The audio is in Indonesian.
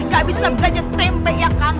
gak bisa belanja tembek ya kan